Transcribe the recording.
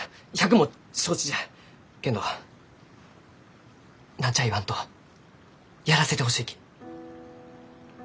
けんど何ちゃあ言わんとやらせてほしいき。